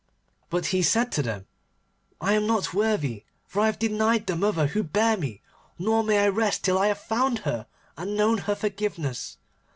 But he said to them, 'I am not worthy, for I have denied the mother who bare me, nor may I rest till I have found her, and known her forgiveness.